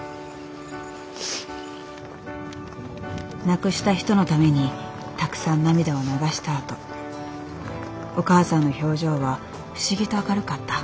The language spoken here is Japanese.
亡くした人のためにたくさん涙を流したあとお母さんの表情は不思議と明るかった。